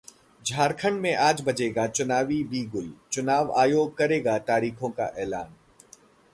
झारखंड में आज बजेगा चुनावी बिगुल, चुनाव आयोग करेगा तारीखों का ऐलान